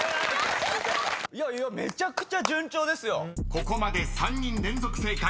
［ここまで３人連続正解。